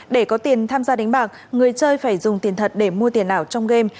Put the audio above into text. để có tiền tham gia đánh bạc người chơi phải dùng tiền thật để mua tiền ảo trong game